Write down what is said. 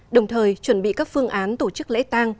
đồng thời chuẩn bị các phương án tổ chức lễ tang